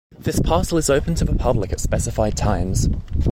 This parcel is open to the public at specified times.